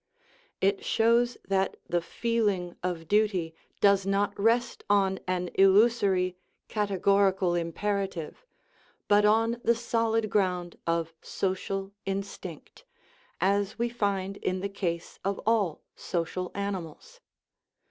It shows that the feeling of duty does not rest on an illusory " categorical imperative," but on the solid ground of social instinct, as we find in the case of all social animals.